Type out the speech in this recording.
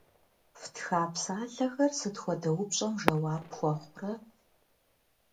Фтха псалъэхэр сыт хуэдэ упщӏэм жэуап хуэхъурэ?